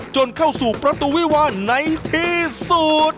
เข้าสู่ประตูวิวาลในที่สุด